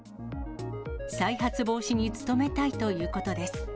再発防止に努めたいということです。